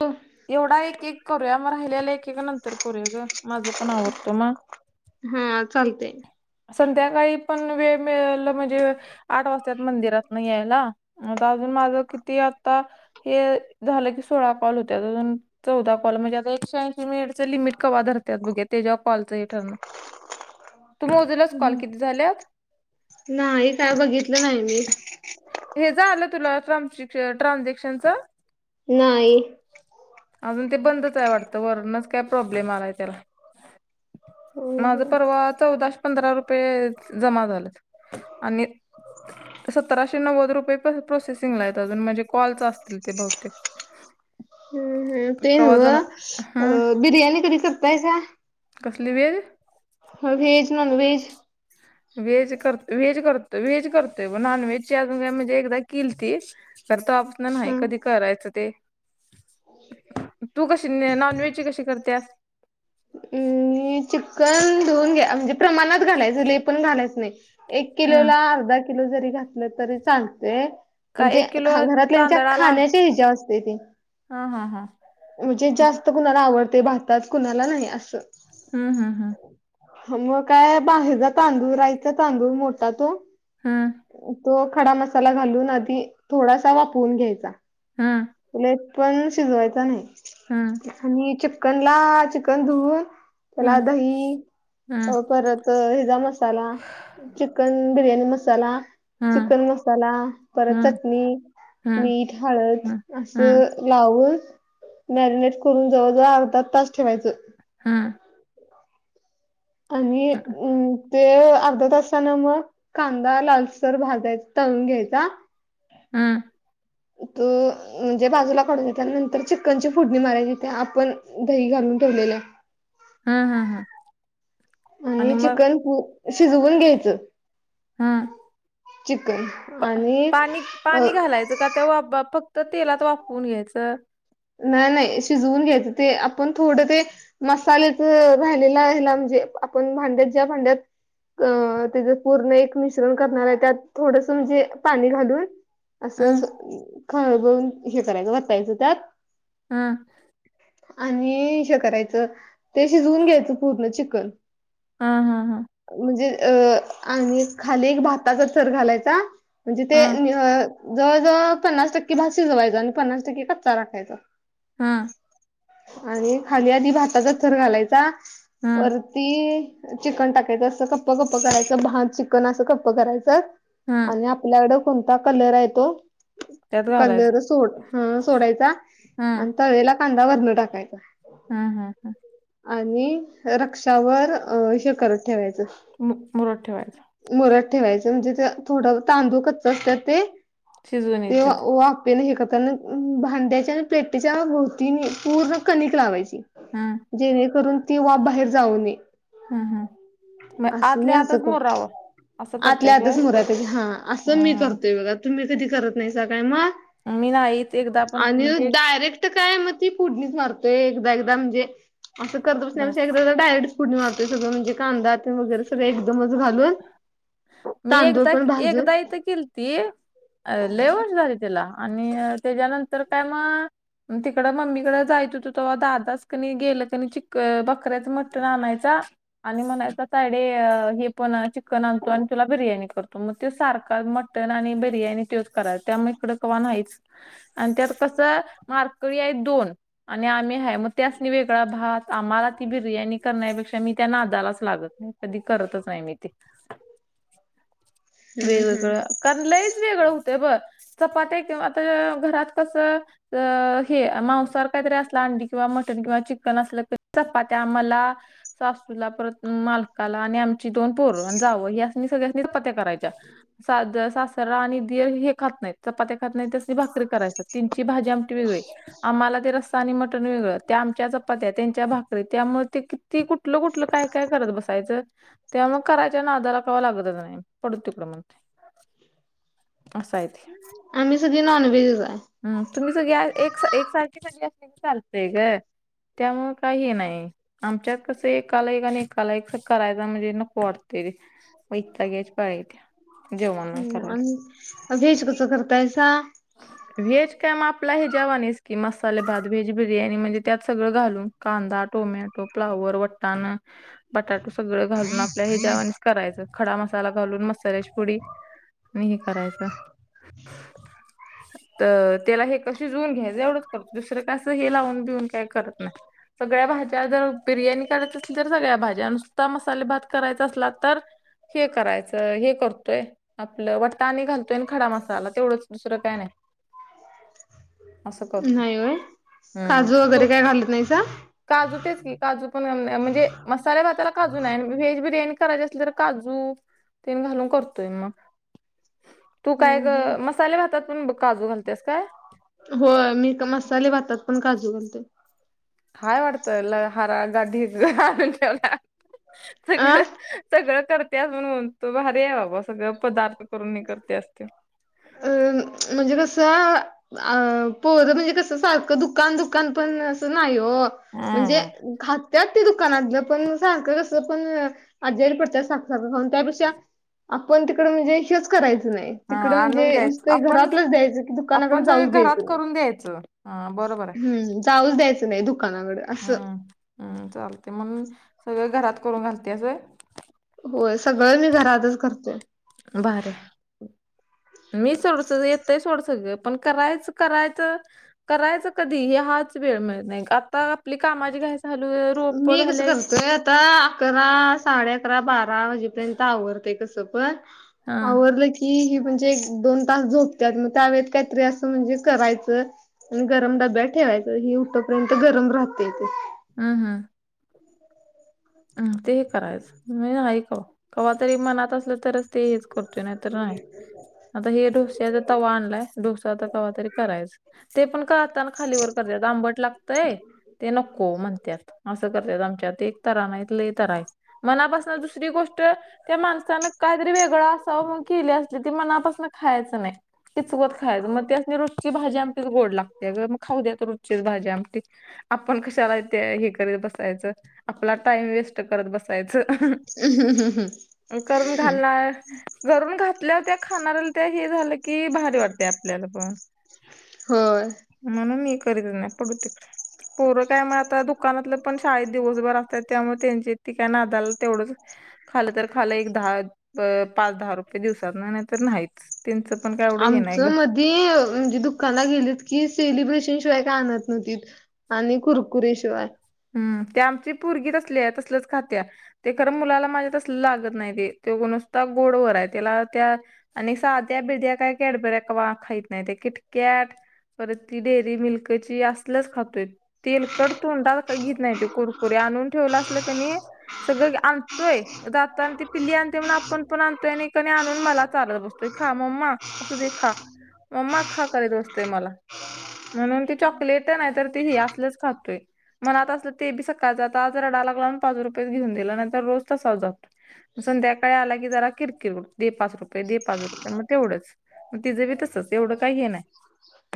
हो एवढा एक एक करूया मग राहिलेला एकका नंतर करूया ग माझं पण आवडतो मग हा चालते संध्याकाळी पण वेळ मिळल म्हणजे आठ वाजत्यात मंदिरातून यायला मग अजून माझं किती आता हे झालं की सोळा कॉल होत्यात ग न चौदा कॉल म्हणजे आता एकशे ऐंशी मिनटचं लमिट कवा धरतात बघूया तेच्यावर कॉलचं हे ठरणारं. तुम्ही मोजलस कॉल किती झाल्यात? नाई काय बघितलं नाय मी हे झालं तुला ट्रांजेक् ट्रान्झॅक्शनचं. नाही. अजून ते बंदच आहे वाटतं वरूनच काय प्रॉब्लेम आलाय त्याला. माझं हम्म परवाात चौदाश पंधरा रुपये जमा झाल आणि सतराशे नव्वद रुपये प्रोसेसिंग ला आहे अजून म्हणजे कॉलच असतील ते बहुतेक. [inaudible] हम् ते कवा ग जमा अ हम्म बिर्याणी कधी करतायसा. कसली वेळ. ह व्हेज नॉनव्हेज. व्हेज करतेय व्हेज करतेय व्हेज करतोय ब नॉनव्हेज अजून म्हणजे एकदा किलती. तर ते आपण हा नाही कधी करायचं ते तू कशी नॉन व्हेजची कशी करत्यास. अम् चिकन धुऊन घ्या म्हणजे प्रमाणात घालायच लेय पण घालायच नाही. एक हम्म किलोला अर्धा किलो जरी घातलं तरी चालतेय. का एक किलोत म्हणजे खाण्याची इजाव असतेय ते. हा हां हां. म्हणजे जास्त कुणाला आवडते भातात कुणाला नाही असं हा हा हा. हा मग काय बाहेरचा तांदूळ रायचा तांदूळ मोठा तो. ह तो खडा मसाला घालून आधी थोडासा वापरून घ्यायचा हा. लय पण शिजवायच नाही. हम्म आणि चिकनला चिकन धुवून त्याला दही हम्म अ परत त हिजा मसाला चिकन बिर्याणी मसाला. हम्म चिकन मसाला परत हम्म चटणी हम्म मीठ हळद. हम्म हम्म असं लावून मॅरिनेट करून जवळ जवळ अर्धा तास ठेवायचं. हा आणि हम्म हम्म अम ते अर्ध्या तासान मग कांदा लालसर भाजायचा तळून घ्यायचा. हा. त म्हणजे बाजूला काढून त्या नंतर चिकनची फोडणी मारायची ते आपण दही घालून ठेवलेल्या. हा हा हा. आणि चिकन पू शिजवून घ्यायचं. हां चिकन आणि अ तवा फक्त तेलात वापून घ्यायचं. नाही नाही शिजवून घ्यायचं ते आपण थोडं ते मसालेच राहिलेला ह्याला म्हणजे आपण भांड्यात ज्या भांड्यात अ त्याचं पूर्ण एक मिश्रण करणार आहे त्यात थोडस म्हणजे पाणी घालून असं हं खळबळून हे करायचं वतायचं त्यात. हम्म. आणि हे करायचं ते शिजवून घ्यायचं पूर्ण चिकन. हा हा हा. म्हणजे अ आणि खाली एक भाताचा थर घालायचा. म्हणजे ते हं जवळजवळ पन्नास टक्के भात शिजवायचा आणि पन्नास टक्के कच्चा राखायचा. हम्म. आणि खाली आधी भाताचा थर घालायचा, हं वर ती चिकन टाकायचं असं कप्प कप्प करायचं भात चिकन असं कप्प करायचं. हं आणि आपल्याकडं कोणता कलर आहे तो त्यात घालायचं कलर सोड हं सोडायचा. हं आणि तळलेला कांदा वरनं टाकायचा. हम्म हम्म हम्म. आणि रक्षावर अ हे करत ठेवायचं. मु मुरत ठेवायच. मुरत ठेवायचं म्हणजे थोड तांदूळ कच्च असतात ते शिजवून ते येत्यात वा पेन हे करताना भांड्याच्या आणि प्लेटीच्या भोवतीने पूर्ण कणिक लावायची. हम्म. जेणेकरून ती वाफ बाहेर जाऊ नये. हम्म हम्म. असं मी असं कर असं आतल्या करत्यास आत व्हय समोर येत की हा असं मी हं करतोय बघा. तुम्ही कधी करत नाहीसा काय मग मी नाहीच एकदा पण आणि म्हणजे डायरे क्ट काय मग ती फोडणीच मारतोय एकदा एकदा म्हणजे अस करत बस बसण्यापेक्षा एकदा डायरेक्ट फोडणी मारतोय सगळ म्हणजे कांदा वगैरे सगळं एकदमच घालून. मी तांदूळ एकदा पण भाजून एकदा इथं केलती. अ लय वर्ष झाली त्याला आणि त्याच्यानंतर काय मग तिकडं मम्मीकडे जाईत होतं तेव्हा दादाच कनी गेलं कनी चिक क बकऱ्याच मटण आणायचा आणि म्हणायचा तायडे हे पण चिकन आण तो आणि तुला बिर्याणी करतो मग त सारखा मटन आणि बिर्याणी तोच कराय त्यामुळे इकडं कवा नाहीच. आणि त्यात कस मारकरी आहेत दोन आणि आम्ही हाय मग त्यासनी वेगळा भात आम्हाला ती बिर्याणी करण्यापेक्षा मी त्या नादालाच लागत नाही कधी करतच नाही मी ते. हम्म वेगवेगळं हम्म कारण लईच वेगळं होत ब चपात्या किंवा आता घरात कसं अ हे मांसाहार काहीतरी असला अंडी किंवा म टन किंवा चिकन असल चपात्या आम्हाला सासूला परत मालकाला आणि आम ची दोन पोरं जावाई यांना सगळ्यांना चपात्या करायच्या साद सास रा आणि दीर हे खात नाहीत चपात्या खात नाहीत त्यासनी भाकरी करायच त्यांची भाजी आमटी वेगळी. आम्हाला ते रस्सा आणि मटण वेगळं त्या आमच्या चपात्या त्यांच्या भाकरी त्यामुळे ते ती कुठलं कुठलं काय काय करत बसायचं त्यामुळं मग करायच्या नादाला कवा लागतच नाही. नाही पडुदे तिकडं म्हणतोय असं आहे ते. आम्ही सगळे नॉनवेेज च् आहे. हम तुम्ही सगळे एक एक सारख सगळी असली चालतेय ग. त्यामुळे हे काही नाही. आमच्यात कसं एकाला एक आणि एकाला एक करायच म्हणजे नको वाटते. वैताग यायची पाळी येत्या जेवणाना करायला. आणि व्हेज कस करतायसा? व्हेज काय मग आपला हे जेवा आहेस की मसाले भात व्हेज बिर्याणी म्हणजे त्यात सगळं घालून. कांदा टोमॅटो फ्लावर वटण बटाटो सगळं घालून आपल्या ह्या जेवाणीच करायचं खडा मसाला घालून मसाल्याची पुुडी मी हे करायचं. [inaudible] तर त्याला हे कशी शिजवून घ्यायचं एवढंच करतो दुसरं कास हे लावून बिऊन काय करत नाही. सगळ्या भाज्या जर बिर्याणी करायच असल तर सगळ्या भाज्या नुसद्धा मसाले भात करायचा असला तर हे करायचं हे करतोय. आपलं वट तणी घालतोय खडा मसाला तेवढंच दुसरं काय नाही. असं करतोय. नाही होय हम्म. काजू वगैरे हो, काय घालत नाहीसा. काजू तेच की काजू पण म्हणजे मसाल्या घाताला काजू नाही व्हेज बिर्याणी करायची असल तर काजू ते मी घालून करतोय मग तू काय हम्म मसाले घातात पण काजू घालतेस काय? हो मी मसाले भातात पण काजू घाते. काय वाटतं ल हारा गाडी आून ठेवला अ सगळ. सगळं करतेस म्हणून तो भारी आहे बाबा सगळं पदार्थ करून मी करते असते. हम्. अ म्हणजे कसं? अ पोर म्हणजे कस सारखं दुकान दुकान पण असं नाही हो. म्हणजे हम्म खातात ते दुकानातलं पण सारखं कसं पण आजेरी पडत. त्यापेक्षा आपण तिकड म्हणजे हेच करायचं नाही. हा तिकड आणून म्हणजे द्यायचं नुसत आपण घरातलंच द्यायचं की दुकानाकडे आपण सगळ जाऊच घरात द्यायचं करून द्यायचं हा बरोबर आहे. म् ऊस द्याचं नाही दुकानाकडं हम्म हम्म चालते मग सगळं घरात करून घालते असं. होय सगळं मी घरातच करतोय. बर. मी सोड येतय सोड सगळ पण करायचं करायचं. करायचं कधी हे हाच वेळ मिळत नाही आता आपली कामाची घाय झालू रोप मी कसं झालेय. करतोय आता अकरा साडे अकरा बारा वाजेपर्यंत आवरडते कसं पण हं. आवरलं की म्हणजे दोन तास झोपत मग त्या व काहीतरी असं म्हणजे करायचं. आणि गरम डब्या ठेवायचं हेि उठपर्यंत गरम राहते ते हम हम. हम तेही करायचं मी ऐकव कव्हा तरी मनात असलं तर ते हेच करतो नाही तर नाही आता हे. त्याचा तवा आणलाय डोस तवा तरी करायच ते पण का? खालीवर करत आंबट लागतय ते नको म्हणतात असं करतात आमच्यात एक तर नाही ल तर आहे मनापासन दुसरी गोष्ट त्या माणसानं काहीतरी वेगळं असावं मग केली असली ती मनापासन खायचं नाही. त चुकत खायचं मग त्या रुटची भाजी आमचीच गोड लागते मग खाऊ द्या तर रुचीच भाजी आम आपण कशाला ते हे करत बसायचं. आपला टाइम वेस्ट करत बसायच करून घालणार. घरून घातल्यावर त्या खाणाऱ्याला त्या हे झालं की भारी वाटते आपल्याला पण हो. म्हणून मी करीत नाही पडू तिकडे पोरं काय म आता दुकानातलं पण शाळेत दिवसभर अस. त्यांची ती काय नादाला तेवढंच खालं तर खालं एक दहा- पाच दहा रुपये दिवसात नाही नाही तर नाहीच तचं ति आमचं मध्ये म्हणजे दुकाला गेलीत की सेलिब्रेशन शिवाय काय आणत नव्हती. आणि कुरकुरीशिवाय. हम् ते आमची परगी तसले आहे तसलेच खात्या, ते खरं मुलाला माझ्या तस लागत नाही ते तो ग नुसता गोडवर आहे त्याला त्या- आणि साध्या बिडद्या काय कॅडबऱ्या खायत नाही ते किटक्याट- परत ती डेअरी मिल्कची असलच खातोय तेलकट- का घेत नाही त कुरकुरी आणून ठेवलं असलं त्यांनी सगळं आणतोय जाता आणि ती पिल्ली आणते म्हण आपण पण आणतोय आणिणी आणून मला चालत बत त खा मम्मा अस दे खा मम्मा खा करीत असतय मला म्हणून ती चॉकलेट नाही तर ती हि असलच खातोय. मनात असलं ते बी सकाळात आज रडा लागलाव प पाचज रुपयाेच घेऊन दिलं नाहींतर रोज तसाव जात. संध्याकाळी आला की जरा किरकिर दे पाच रुपये दे पाच रुपये मग तेवढंच. मग तिझं बी तसच एवढं काही हे नाही.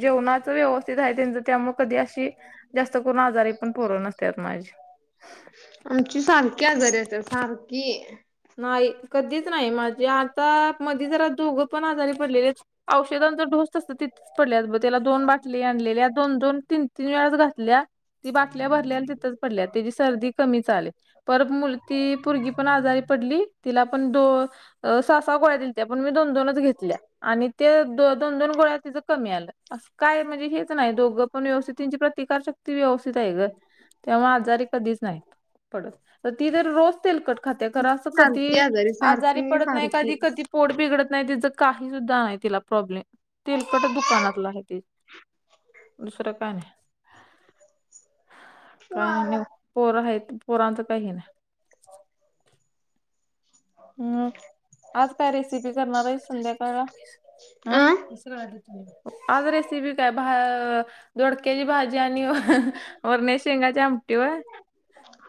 जेवणाच व्यवस्थित आहे त्यांच त्यामुळे कधी अशी जास्त करून आजारी, पोरं नसतात माझी. आमची सारखी आजारीेत सारखी- नाही कधीच नाही माझे आता मध्ये जरा दोघं पण आजारी पडलेले. औषधांचा ढोस असत ति- पडल्यात बघ त्याला दोन बाटली आणल्या दोन दोन तीन तीन वेळाच घातल्या. ती बाटल्या भरल्या तिथच पडल्या त्याची सर्दी कमी च आली. पर मुल ती परगी पण आजारी पडली तिला पण दो- सहा सहा गोळ्या दि त्या्या पण मी दोन दोनच घेतल्या आणि ते दोन दोन गोळ्या तिचं कमी आलं. अस काय म्हणजे हेच नाही दोघं पण व्यवस्थित त्यांची प्रतिकारशक्ती व्यवस्थित आहे ग. तेव्हा आजारी कधीच नाही पडत तर ती जर रोज तेलकट खाते खरा- सारखी कधी आजारी सारखी आजारी म्हणजे पडत नाही सारखी कधी कधी, पोड बिघडत नाही, तिचं काही सुद्धा नाही तिला प्रॉब्लेम तेलकट दुकानातला आहे त- दुसरं का नाही. काय नाही नाही पोर आहेत पोरांचं काही नाही. हम्म आज काय रेसिपी करणार आहे संध्याकाळ ह- अं आज रेसिपी काय? भा दोडक्याची भाजी आणि वारणेच्या शेंगाच्या आमटी व-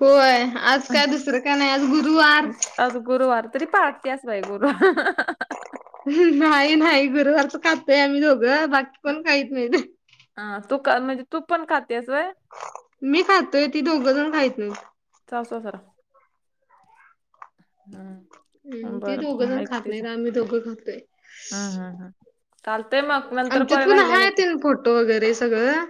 होय आज काय दुसरं का नाही आज गुरुवार. आज गुरुवार तरी पाळतेस बाई गुरु. नाही नाही गुरुवारच खाततोय आम्ही दोघं बाकी कोण काहीत नाही ते. ह तू म्हणजे तू पण खातेस व- मी खातोय ती दोघं जण खायत नाही. सासु हम्म ती दोघं बरं जण खात एकटीच नाहीत आम्ही दोघं खातोय. हम्म हम् हम् चालतय मग नंतर आमच्यात कर पण राहिलेले हाय एक एक. तेन फोटो वगैरे सगळं.